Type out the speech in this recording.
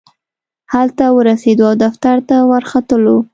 هلته ورسېدو او دفتر ته ورختلو.